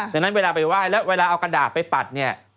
ดังนั้นเวลาไปไหว้แล้วเวลาเอากระดาษไปปัดเนี่ย